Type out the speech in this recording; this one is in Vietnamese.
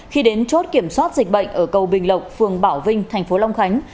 khi đến chốt kiểm soát dịch bệnh ở cầu bình lộc phường bảo vinh tp long khánh